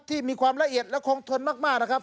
ที่มีความละเอียดและคงทนมากนะครับ